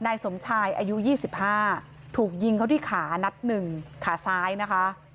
นายสมชายอายุ๒๕ถูกยิงเขาที่ขานัดหนึ่งขาซ้ายนะคะ